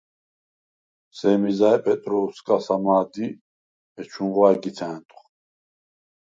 სემი ზა̈ჲ პეტროუ̂სკას ამა̄დ ი ეჩუნღო ა̈გითე ა̈ნტუ̂ხ.